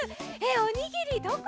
おにぎりどこかな？